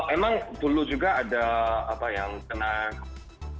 emang dulu juga ada apa yang kenal